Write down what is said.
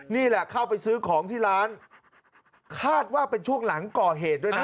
นี่แหละเข้าไปซื้อของที่ร้านคาดว่าเป็นช่วงหลังก่อเหตุด้วยนะ